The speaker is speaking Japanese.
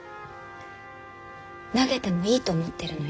投げてもいいと思ってるのよ